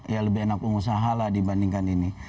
ya lebih enak pengusaha lah dibandingkan ini